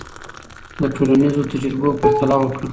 د ټولنیزو تجربو پرتله وکړه.